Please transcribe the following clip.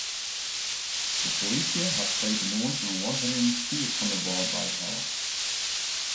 De polysje hat freedtemoarn in losrinnend skiep fan de Wâldwei helle.